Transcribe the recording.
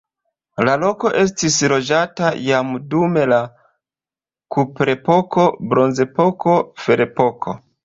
La loko estis loĝata jam dum la kuprepoko, bronzepoko, ferepoko.